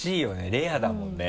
レアだもんね。